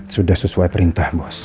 sudah sesuai perintah bos